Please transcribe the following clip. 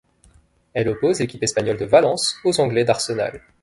Elle oppose l'équipe espagnole de Valence aux Anglais d'Arsenal.